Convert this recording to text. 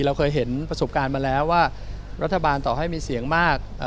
เราเคยเห็นประสบการณ์มาแล้วว่ารัฐบาลต่อให้มีเสียงมาก